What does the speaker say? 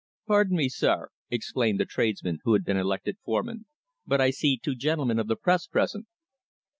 "Pardon me, sir," exclaimed the tradesman who had been elected foreman, "but I see two gentlemen of the Press present."